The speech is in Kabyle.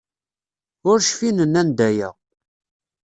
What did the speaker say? Ur cfin nnan-d aya.